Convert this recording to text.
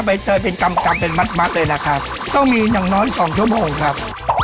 ใบเตยเป็นกำเป็นมัดมัดเลยนะครับต้องมีอย่างน้อยสองชั่วโมงครับ